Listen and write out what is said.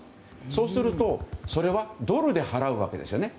そうするとそれはドルで払うわけですよね。